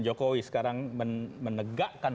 jokowi sekarang menegakkan